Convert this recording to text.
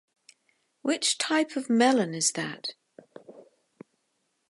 Which type of melon is that?